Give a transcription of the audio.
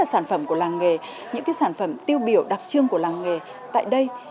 sản phẩm của làng nghề những cái sản phẩm tiêu biểu đặc trưng của làng nghề tại đây